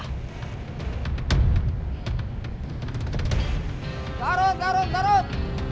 tarut tarut tarut